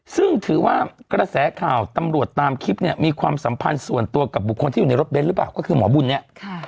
ซึ่งถือว่ากระแสข่าวตำรวจตามคลิปเนี่ยมีความสัมพันธ์ส่วนตัวกับบุคคลที่อยู่ในรถเน้นหรือเปล่าก็คือหมอบุญเนี่ย